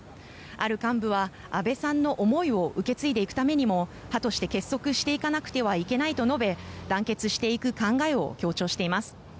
ある幹部は安倍さんの思いを受け継いでいくためにも派として結束していかなくてはいけないと述べ団結していく考えを強調しています。